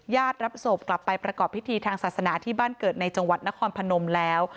รับศพกลับไปประกอบพิธีทางศาสนาที่บ้านเกิดในจังหวัดนครพนมแล้ว